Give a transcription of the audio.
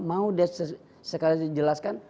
mau dia sekali saja dijelaskan